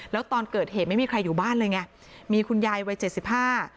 แล้วตอนเกิดเหตุไม่มีใครอยู่บ้านเลยไงมีคุณยายวัยเจ็ดสิบห้า